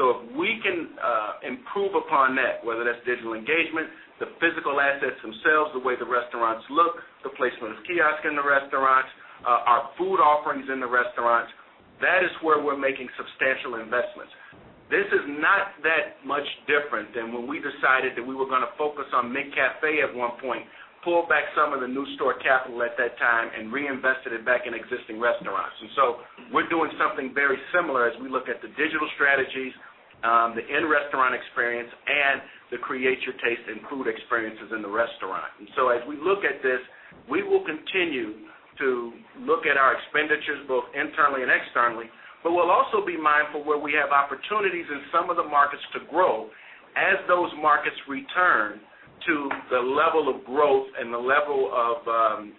Speaker 4: If we can improve upon that, whether that's digital engagement, the physical assets themselves, the way the restaurants look, the placement of kiosks in the restaurants, our food offerings in the restaurants, that is where we're making substantial investments. This is not that much different than when we decided that we were going to focus on McCafé at one point, pull back some of the new store capital at that time, and reinvest it back in existing restaurants. We're doing something very similar as we look at the digital strategies, the in-restaurant experience, and the Create Your Taste and food experiences in the restaurant.
Speaker 3: As we look at this, we will continue to look at our expenditures both internally and externally. We'll also be mindful where we have opportunities in some of the markets to grow as those markets return to the level of growth and the level of,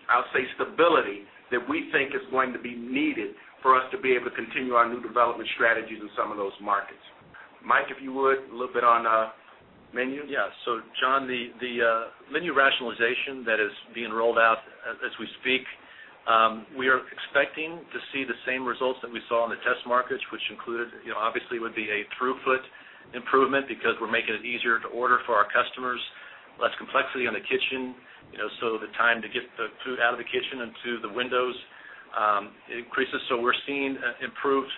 Speaker 3: I'll say, stability that we think is going to be needed for us to be able to continue our new development strategies in some of those markets. Mike, if you would, a little bit on menu.
Speaker 6: Yeah. John, the menu rationalization that is being rolled out as we speak, we are expecting to see the same results that we saw in the test markets, which obviously would be a throughput improvement because we're making it easier to order for our customers, less complexity in the kitchen. The time to get the food out of the kitchen and to the windows increases. We're seeing improved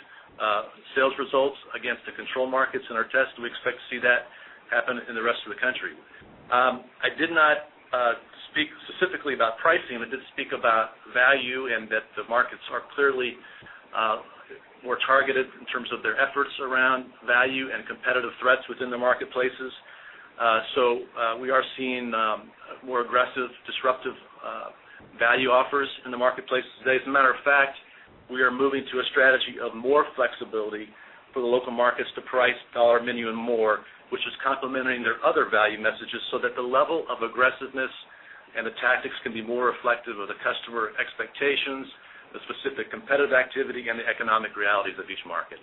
Speaker 6: sales results against the control markets in our test, and we expect to see that happen in the rest of the country. I did not speak specifically about pricing. I did speak about value and that the markets are clearly more targeted in terms of their efforts around value and competitive threats within the marketplaces. We are seeing more aggressive, disruptive value offers in the marketplace today. As a matter of fact, we are moving to a strategy of more flexibility for the local markets to price Dollar Menu & More, which is complementing their other value messages so that the level of aggressiveness and the tactics can be more reflective of the customer expectations, the specific competitive activity, and the economic realities of each market.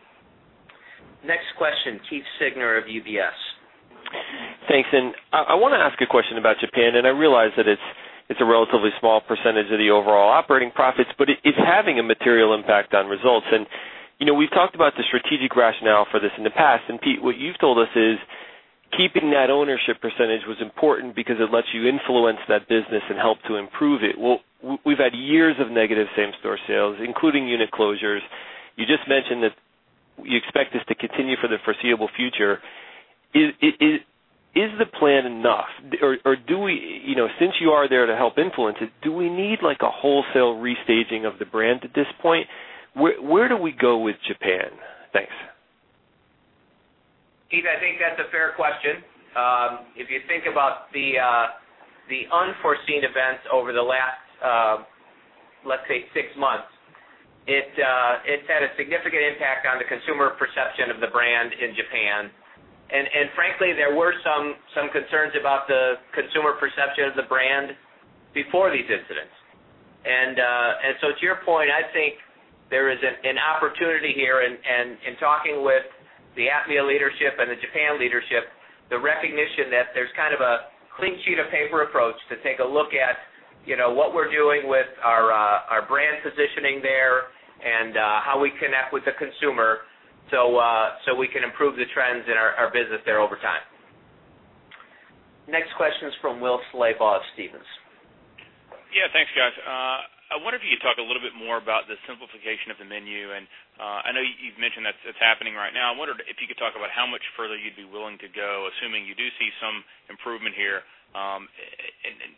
Speaker 2: Next question, Keith Siegner of UBS.
Speaker 12: Thanks. I want to ask a question about Japan, and I realize that it's a relatively small percentage of the overall operating profits, but it is having a material impact on results. We've talked about the strategic rationale for this in the past. Pete, what you've told us is keeping that ownership percentage was important because it lets you influence that business and help to improve it. We've had years of negative same-store sales, including unit closures. You just mentioned that you expect this to continue for the foreseeable future. Is the plan enough? Since you are there to help influence it, do we need a wholesale restaging of the brand at this point? Where do we go with Japan? Thanks.
Speaker 3: Keith, I think that's a fair question. If you think about the unforeseen events over the last, let's say six months, it's had a significant impact on the consumer perception of the brand in Japan. Frankly, there were some concerns about the consumer perception of the brand before these incidents. To your point, I think there is an opportunity here, and in talking with the APMEA leadership and the Japan leadership, the recognition that there's kind of a clean sheet of paper approach to take a look at what we're doing with our brand positioning there and how we connect with the consumer so we can improve the trends in our business there over time.
Speaker 2: Next question is from Will Slabaugh of Stephens.
Speaker 13: Yeah, thanks, guys. I wonder if you could talk a little bit more about the simplification of the menu, and I know you've mentioned that it's happening right now. I wondered if you could talk about how much further you'd be willing to go, assuming you do see some improvement here, and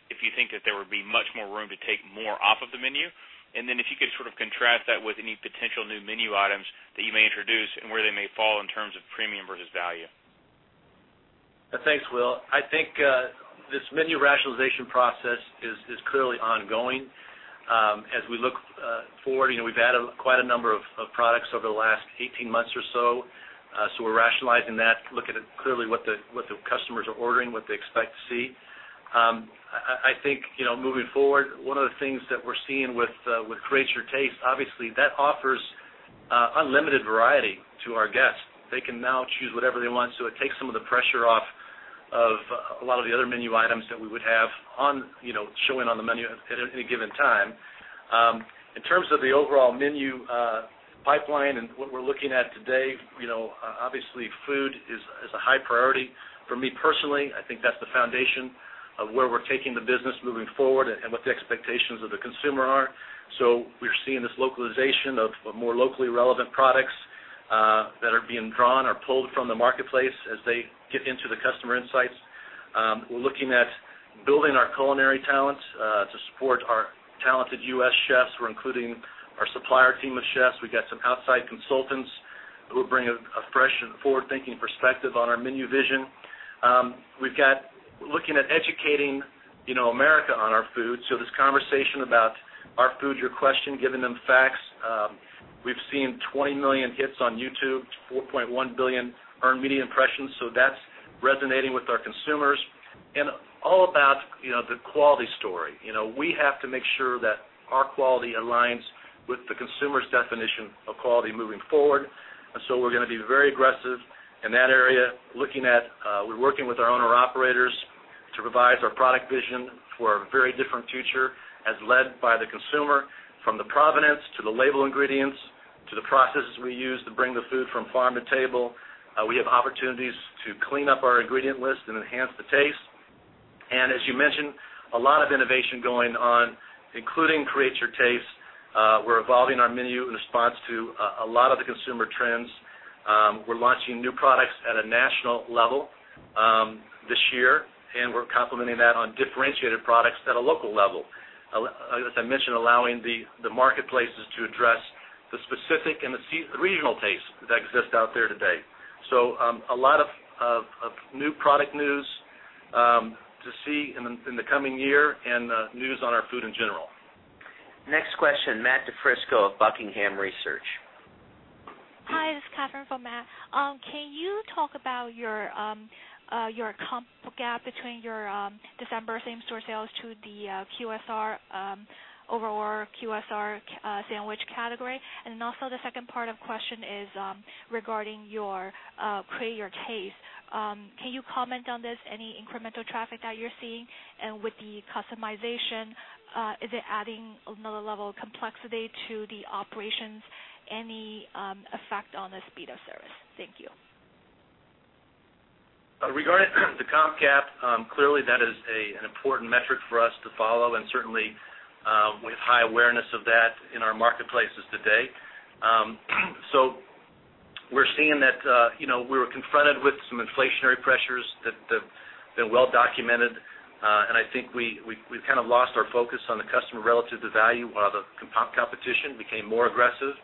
Speaker 13: if you think that there would be much more room to take more off of the menu. If you could sort of contrast that with any potential new menu items that you may introduce and where they may fall in terms of premium versus value.
Speaker 6: Thanks, Will. I think this menu rationalization process is clearly ongoing. As we look forward, we've added quite a number of products over the last 18 months or so. We're rationalizing that, looking at clearly what the customers are ordering, what they expect to see. I think, moving forward, one of the things that we're seeing with Create Your Taste, obviously, that offers unlimited variety to our guests. They can now choose whatever they want, so it takes some of the pressure off of a lot of the other menu items that we would have showing on the menu at any given time. In terms of the overall menu pipeline and what we're looking at today, obviously, food is a high priority for me personally. I think that's the foundation of where we're taking the business moving forward and what the expectations of the consumer are. We're seeing this localization of more locally relevant products that are being drawn or pulled from the marketplace as they get into the customer insights. We're looking at building our culinary talent to support our talented U.S. chefs. We're including our supplier team of chefs. We've got some outside consultants who bring a fresh and forward-thinking perspective on our menu vision. We're looking at educating America on Our Food. Your Questions., giving them facts. We've seen 20 million hits on YouTube, 4.1 billion earned media impressions, so that's resonating with our consumers, and all about the quality story. We have to make sure that our quality aligns with the consumer's definition of quality moving forward. We're going to be very aggressive in that area. We're working with our owner-operators to revise our product vision for a very different future as led by the consumer, from the provenance to the label ingredients, to the processes we use to bring the food from farm to table. We have opportunities to clean up our ingredient list and enhance the taste. As you mentioned, a lot of innovation going on, including Create Your Taste. We're evolving our menu in response to a lot of the consumer trends. We're launching new products at a national level this year, and we're complementing that on differentiated products at a local level. As I mentioned, allowing the marketplaces to address the specific and the regional tastes that exist out there today. A lot of new product news to see in the coming year and news on our food in general.
Speaker 2: Next question, Matthew DiFrisco of Buckingham Research.
Speaker 14: Hi, this is Catherine for Matt. Can you talk about your comp gap between your December same-store sales to the QSR overall QSR sandwich category? Also the second part of question is regarding your Create Your Taste. Can you comment on this, any incremental traffic that you're seeing? With the customization, is it adding another level of complexity to the operations? Any effect on the speed of service? Thank you.
Speaker 6: Regarding the comp gap, clearly that is an important metric for us to follow, and certainly, we have high awareness of that in our marketplaces today. We're seeing that we were confronted with some inflationary pressures that have been well-documented. I think we've kind of lost our focus on the customer relative to value while the competition became more aggressive.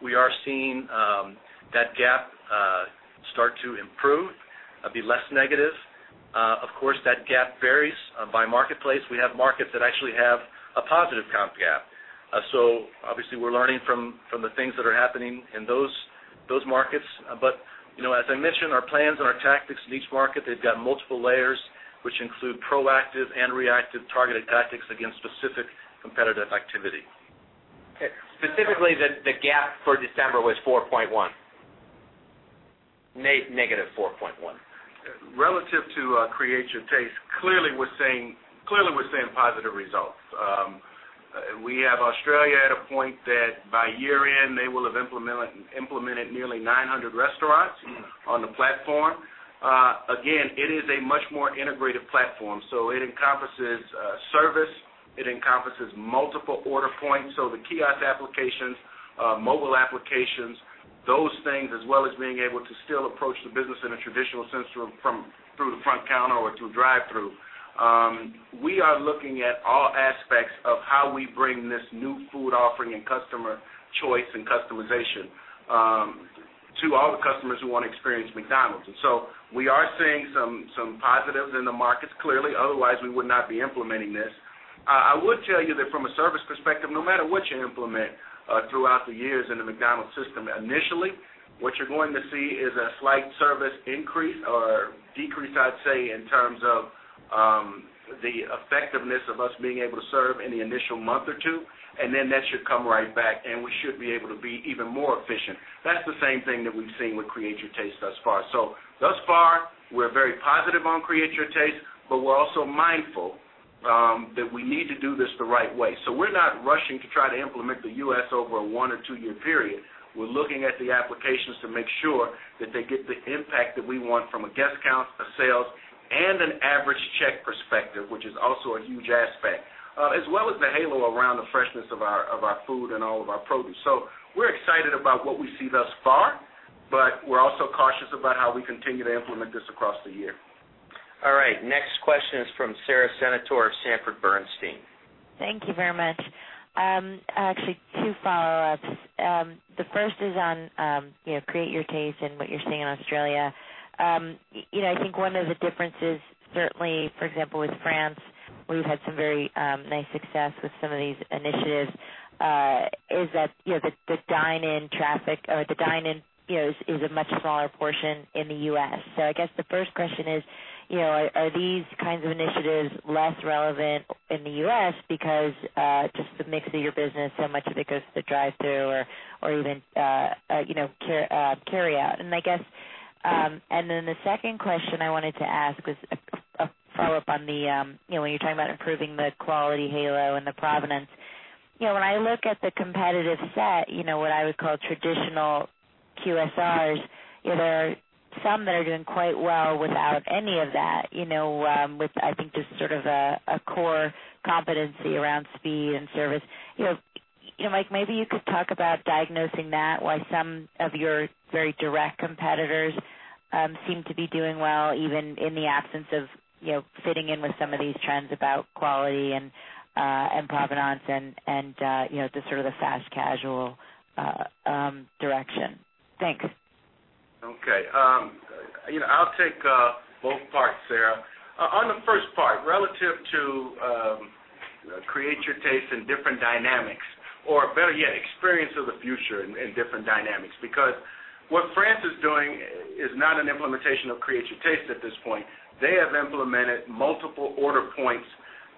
Speaker 6: We are seeing that gap start to improve, be less negative. Of course, that gap varies by marketplace. We have markets that actually have a positive comp gap. Obviously, we're learning from the things that are happening in those markets. As I mentioned, our plans and our tactics in each market, they've got multiple layers, which include proactive and reactive targeted tactics against specific competitive activity.
Speaker 2: Okay. Specifically, the gap for December was 4.1. Negative 4.1.
Speaker 3: Relative to Create Your Taste, clearly we are seeing positive results. We have Australia at a point that by year-end, they will have implemented nearly 900 restaurants on the platform. It is a much more integrated platform. It encompasses service, it encompasses multiple order points, the kiosk applications, mobile applications, those things, as well as being able to still approach the business in a traditional sense through the front counter or through drive-thru. We are looking at all aspects of how we bring this new food offering and customer choice and customization to all the customers who want to experience McDonald's. We are seeing some positives in the markets, clearly. Otherwise, we would not be implementing this. I would tell you that from a service perspective, no matter what you implement throughout the years in the McDonald's system, initially, what you are going to see is a slight service increase or decrease, I'd say, in terms of the effectiveness of us being able to serve in the initial month or two. That should come right back, and we should be able to be even more efficient. That's the same thing that we've seen with Create Your Taste thus far. Thus far, we are very positive on Create Your Taste. We are also mindful that we need to do this the right way. We are not rushing to try to implement the U.S. over a one or two-year period. We are looking at the applications to make sure that they get the impact that we want from a guest count, a sales, and an average check perspective, which is also a huge aspect, as well as the halo around the freshness of our food and all of our produce. We are excited about what we see thus far. We are also cautious about how we continue to implement this across the year.
Speaker 2: All right. Next question is from Sara Senatore of Sanford Bernstein.
Speaker 15: Thank you very much. Actually, two follow-ups. The first is on Create Your Taste and what you're seeing in Australia. I think one of the differences certainly, for example, with France, where you've had some very nice success with some of these initiatives, is that the dine-in traffic or the dine-in is a much smaller portion in the U.S. I guess the first question is, are these kinds of initiatives less relevant in the U.S. because just the mix of your business, so much of it goes to drive-thru or even carry out? The second question I wanted to ask was a follow-up on when you're talking about improving the quality halo and the provenance. When I look at the competitive set, what I would call traditional QSRs, there are some that are doing quite well without any of that with, I think, just sort of a core competency around speed and service. Mike, maybe you could talk about diagnosing that, why some of your very direct competitors seem to be doing well, even in the absence of fitting in with some of these trends about quality and provenance and just sort of the fast casual direction. Thanks.
Speaker 3: Okay. I'll take both parts, Sara. On the first part, relative to Create Your Taste and different dynamics, or better yet, Experience of the Future and different dynamics. What France is doing is not an implementation of Create Your Taste at this point. They have implemented multiple order points,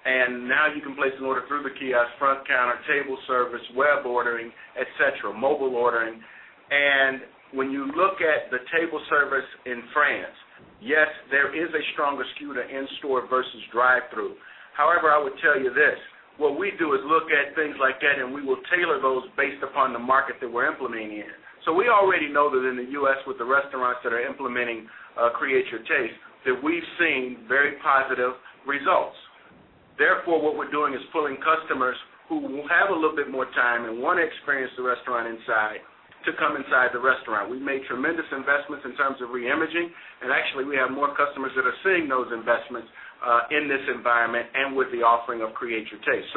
Speaker 3: and now you can place an order through the kiosk, front counter, table service, web ordering, et cetera, mobile ordering. When you look at the table service in France, yes, there is a stronger skew to in-store versus drive-thru. However, I would tell you this. What we do is look at things like that, and we will tailor those based upon the market that we're implementing in. We already know that in the U.S., with the restaurants that are implementing Create Your Taste, that we've seen very positive results. Therefore, what we're doing is pulling customers who have a little bit more time and want to experience the restaurant inside to come inside the restaurant. We've made tremendous investments in terms of re-imaging, and actually, we have more customers that are seeing those investments in this environment and with the offering of Create Your Taste.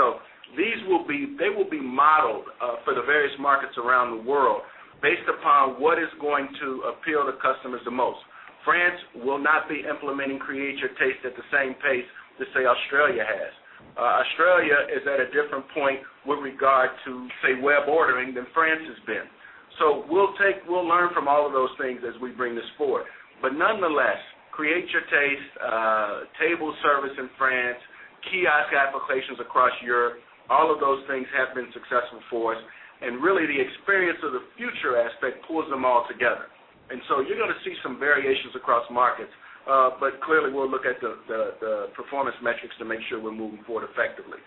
Speaker 3: They will be modeled for the various markets around the world based upon what is going to appeal to customers the most. France will not be implementing Create Your Taste at the same pace to say Australia has. Australia is at a different point with regard to, say, web ordering than France has been. We'll learn from all of those things as we bring this forward. Nonetheless, Create Your Taste, table service in France, kiosk applications across Europe, all of those things have been successful for us. Really, the Experience of the Future aspect pulls them all together. So you're going to see some variations across markets. Clearly, we'll look at the performance metrics to make sure we're moving forward effectively.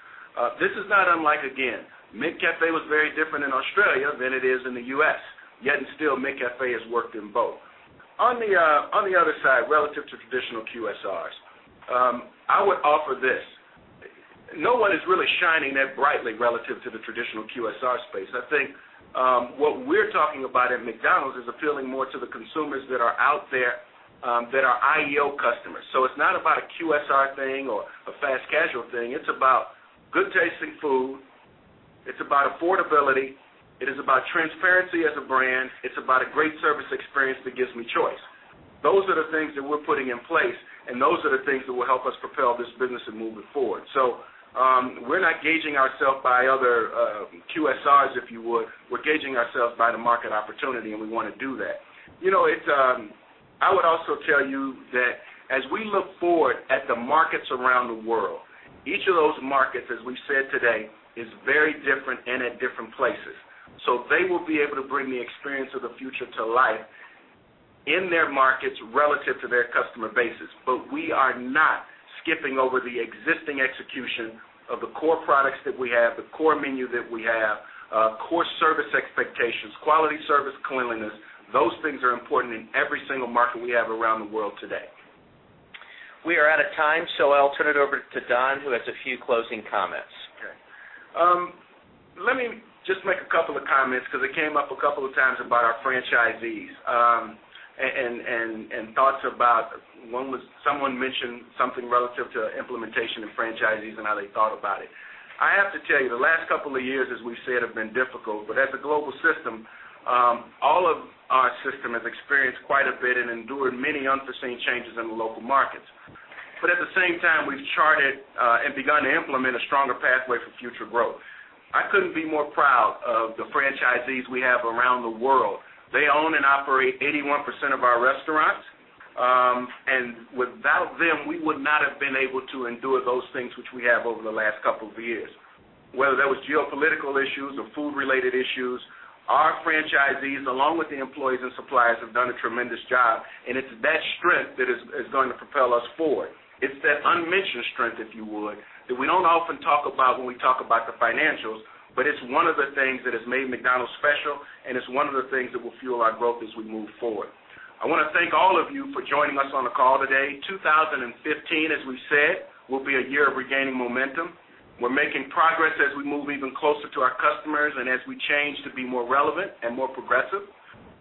Speaker 3: This is not unlike, again, McCafé was very different in Australia than it is in the U.S. Yet and still, McCafé has worked in both. On the other side, relative to traditional QSRs, I would offer this. No one is really shining that brightly relative to the traditional QSR space. I think what we're talking about at McDonald's is appealing more to the consumers that are out there that are IEO customers. It's not about a QSR thing or a fast casual thing. It's about good tasting food. It's about affordability. It is about transparency as a brand. It's about a great service experience that gives me choice. Those are the things that we're putting in place, and those are the things that will help us propel this business and move it forward. We're not gauging ourself by other QSRs, if you would. We're gauging ourselves by the market opportunity, and we want to do that. I would also tell you that as we look forward at the markets around the world, each of those markets, as we've said today, is very different and at different places. They will be able to bring the Experience of the Future to life in their markets relative to their customer bases. We are not skipping over the existing execution of the core products that we have, the core menu that we have, core service expectations, quality service, cleanliness. Those things are important in every single market we have around the world today.
Speaker 2: We are out of time, I'll turn it over to Don, who has a few closing comments.
Speaker 3: Okay. Let me just make a couple of comments because it came up a couple of times about our franchisees, and thoughts about someone mentioned something relative to implementation and franchisees and how they thought about it. I have to tell you, the last couple of years, as we've said, have been difficult, but as a global system, all of our system has experienced quite a bit and endured many unforeseen changes in the local markets. At the same time, we've charted and begun to implement a stronger pathway for future growth. I couldn't be more proud of the franchisees we have around the world. They own and operate 81% of our restaurants. Without them, we would not have been able to endure those things which we have over the last couple of years. Whether that was geopolitical issues or food-related issues, our franchisees, along with the employees and suppliers, have done a tremendous job, and it's that strength that is going to propel us forward. It's that unmentioned strength, if you would, that we don't often talk about when we talk about the financials, but it's one of the things that has made McDonald's special, and it's one of the things that will fuel our growth as we move forward. I want to thank all of you for joining us on the call today. 2015, as we've said, will be a year of regaining momentum. We're making progress as we move even closer to our customers and as we change to be more relevant and more progressive.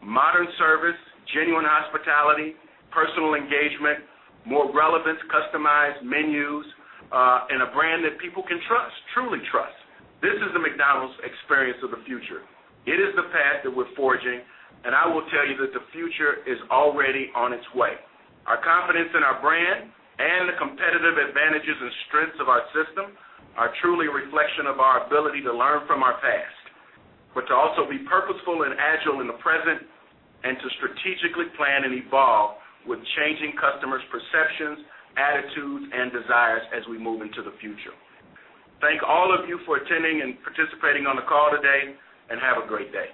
Speaker 3: Modern service, genuine hospitality, personal engagement, more relevance, customized menus, and a brand that people can trust, truly trust. This is the McDonald's Experience of the Future. It is the path that we're forging, and I will tell you that the future is already on its way. Our confidence in our brand and the competitive advantages and strengths of our system are truly a reflection of our ability to learn from our past, but to also be purposeful and agile in the present and to strategically plan and evolve with changing customers' perceptions, attitudes, and desires as we move into the future. Thank all of you for attending and participating on the call today, and have a great day.